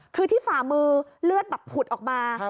คือที่ฝ่ามือเลือดแบบผุดออกมา